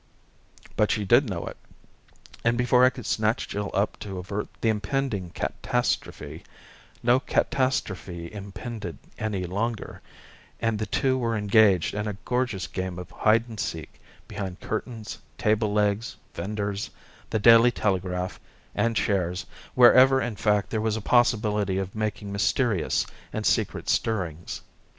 But she did know it, and before I could snatch Jill up to avert the impending catastrophe, no cat astrophe impended any longer, and the two were engaged in a gorgeous game of hide and seek behind curtains, table legs, fenders, the Daily Telegraph and chairs, wherever in fact there was a possibility of making mysterious and secret stirrings.